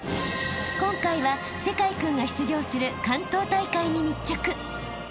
［今回は聖魁君が出場する関東大会に密着］